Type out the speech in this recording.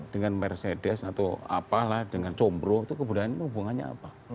dengan mercedes atau apalah dengan combro itu kebudayaan itu hubungannya apa